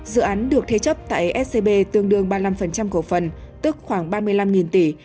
dự án được thế chấp tại scb tương đương ba mươi năm cổ phần tức khoảng ba mươi năm tỷ